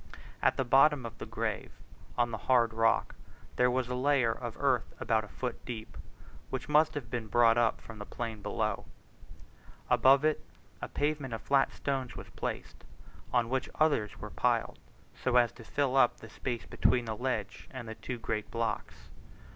At the bottom of the grave on the hard rock there was a layer of earth about a foot deep, which must have been brought up from the plain below. Above it a pavement of flat stones was placed, on which others were piled, so as to fill up the space between the ledge and the two great blocks.